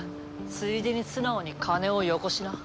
ついでに素直に金をよこしな。